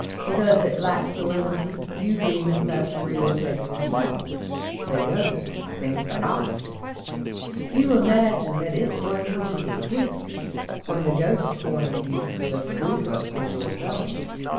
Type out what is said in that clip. Because it lacks solidity you deem it less real than yourself. The ghost thinks the opposite. You imagine that its language is a squeak. From the ghost's point of view the squeaker is yourself.